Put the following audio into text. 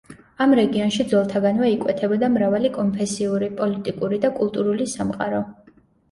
ამ რეგიონში ძველთაგანვე იკვეთებოდა მრავალი კონფესიური, პოლიტიკური და კულტურული სამყარო.